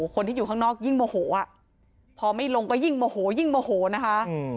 คนที่อยู่ข้างนอกยิ่งโมโหพอไม่ลงก็ยิ่งโมโหยิ่งโมโหนะคะ